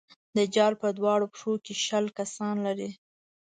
دجال په دواړو پښو کې شل کسان لري.